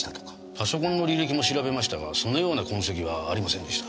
パソコンの履歴も調べましたがそのような痕跡はありませんでした。